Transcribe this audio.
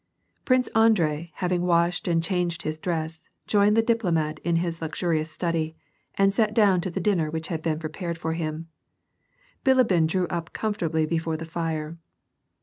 Prince Andrei having washed and changed his dress, joined the diplomat in his luxurious study, and sat down to the dinner which had been prepared for him. Bilibin drew up comfortably before the fire.